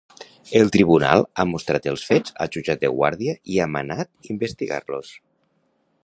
El tribunal ha mostrat els fets al jutjat de guàrdia i ha manat investigar-los.